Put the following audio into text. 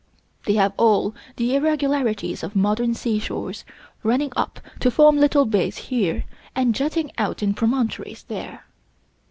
They have all the irregularities of modern seashores, running up to form little bays here, and jutting out in promontories there....